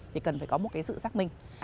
thì cần phải có một sự xác minh